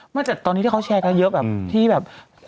จากตอนนี้ที่เขาแชร์กันเยอะแบบที่แบบ